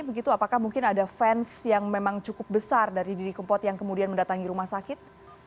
begitu apakah mungkin ada fans yang memang cukup besar dari didi kempot yang kemudian mendatangi rumah sakit